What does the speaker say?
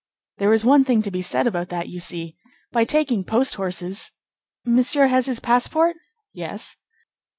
"There is one thing to be said about that, you see, by taking post horses—Monsieur has his passport?" "Yes."